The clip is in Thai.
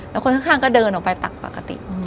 แล้วคนข้างก็เดินออกไปตักปกติ